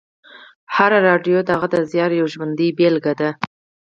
هره راډیو د هغه د زیار یوه ژوندۍ بېلګې ده